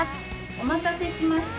お待たせしました。